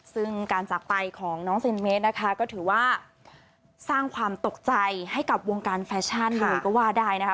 ซึ่งการจากไปของน้องเซนเมตรนะคะก็ถือว่าสร้างความตกใจให้กับวงการแฟชั่นเลยก็ว่าได้นะคะ